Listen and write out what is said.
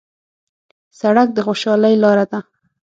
سړک د خوشحالۍ لاره ده.